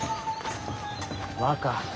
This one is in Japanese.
若